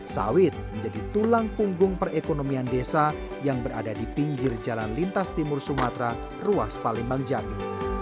sawit menjadi tulang punggung perekonomian desa yang berada di pinggir jalan lintas timur sumatera ruas palembang jambi